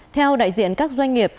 theo đại diện các doanh nghiệp